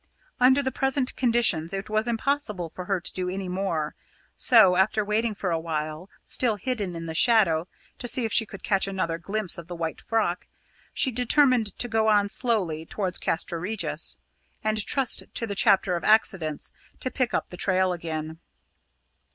Under the present conditions it was impossible for her to do any more, so, after waiting for a while, still hidden in the shadow to see if she could catch another glimpse of the white frock, she determined to go on slowly towards Castra Regis, and trust to the chapter of accidents to pick up the trail again.